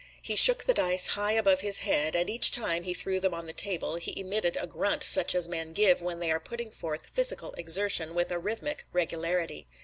He shook the dice high above his head, and each time he threw them on the table, he emitted a grunt such as men give when they are putting forth physical exertion with a rhythmic regularity.